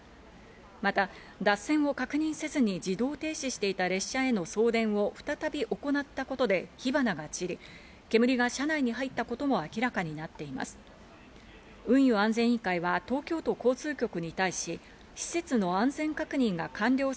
また脱線を確認せずに自動停止していた列車への送電を再び行ったことで火花が散り、煙が車内に入ったことも明らかになっています。